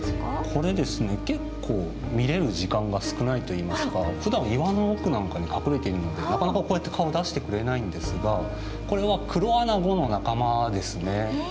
これですね結構見れる時間が少ないといいますかふだん岩の奥なんかに隠れているのでなかなかこうやって顔を出してくれないんですがこれはクロアナゴの仲間ですね。